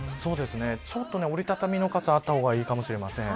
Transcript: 折り畳みの傘があった方がいいかもしれません。